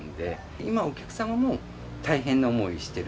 今お客様も大変な思いをしている。